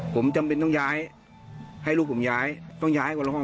ผมจำเป็นต้องย้ายให้ลูกผมย้ายต้องย้ายคนละห้อง